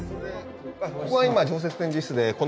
ここが今常設展示室で。